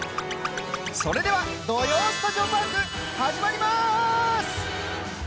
それでは、土曜スタジオパーク始まります！